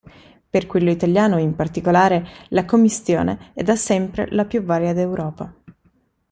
Per quello italiano, in particolare, la commistione è da sempre la più varia d'Europa.